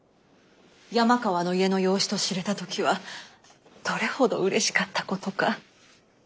山川の家の養子と知れた時はどれほどうれしかったことか。